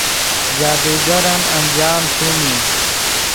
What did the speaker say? جادوگرن انجام شوم ای